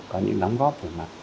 có những lắm góp